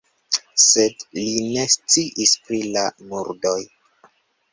Sed li ne sciis pri la murdoj.